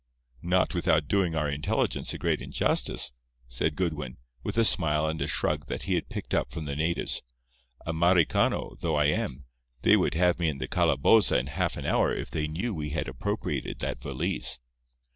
"Not without doing our intelligence a great injustice," said Goodwin, with a smile and a shrug that he had picked up from the natives. "Americano, though I am, they would have me in the calaboza in half an hour if they knew we had appropriated that valise.